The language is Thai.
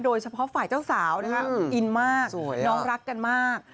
โดยเฉพาะฝ่ายเจ้าสาวนะคะอินมากน้องรักกันมาก